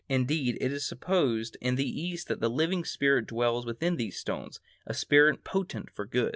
Indeed, it is supposed in the East that a living spirit dwells within these stones, a spirit potent for good.